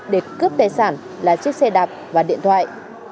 để cướp tài sản là chiếc xe đạp và điện thoại